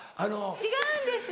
違うんです！